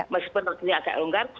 masih pun agak unggar